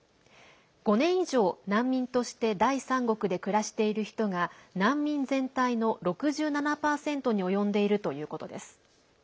５年以上、難民として第三国で暮らしている人が難民全体の６７％に及んでいるということです。